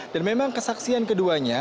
dan memang kesaksian keduanya